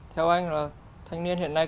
theo anh là thanh niên hiện nay